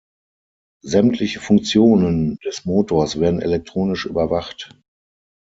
Sämtliche Funktionen des Motors werden elektronisch überwacht.